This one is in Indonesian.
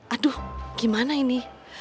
aduh gimana ini